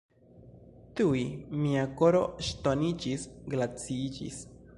Tuj mia koro ŝtoniĝis, glaciiĝis.